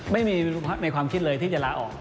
ไม่มีในความคิดเลยที่จะลาออก